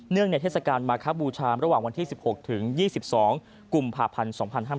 ในเทศกาลมาคบูชาระหว่างวันที่๑๖ถึง๒๒กุมภาพันธ์๒๕๕๙